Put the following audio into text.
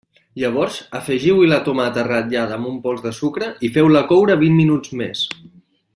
Llavors afegiu-hi la tomata ratllada amb un pols de sucre i feu-la coure vint minuts més.